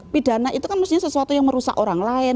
pidana itu kan mestinya sesuatu yang merusak orang lain